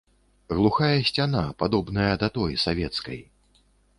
Глухая сцяна, падобная да той, савецкай.